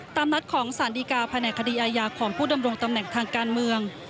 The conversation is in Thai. ตามนัดของสารดีกาแผนกคดีอาญาของผู้ดำรงตำแหน่งทางการเมือง